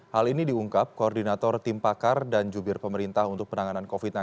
hal ini diungkap koordinator tim pakar dan jubir pemerintah untuk penanganan covid sembilan belas